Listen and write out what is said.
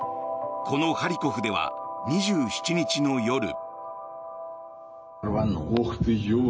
このハリコフでは２７日の夜。